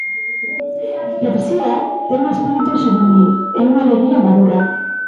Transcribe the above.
Popsía ten o espírito xuvenil e unha alegría madura.